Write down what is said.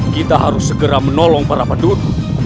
kita harus segera menolong para penduduk